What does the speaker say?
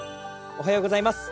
おはようございます。